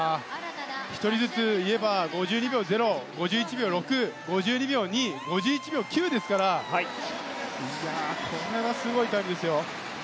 １人ずつ言えば５２秒０５１秒６、５２秒２５１秒９ですからこれはすごいタイムですよ。